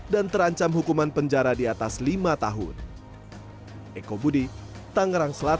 dan terancam hukuman penjara di atas lima tahun